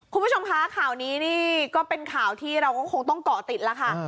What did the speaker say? คุณผู้ชมคะข่าวนี้นี่ก็เป็นข่าวที่เราก็คงต้องเกาะติดแล้วค่ะ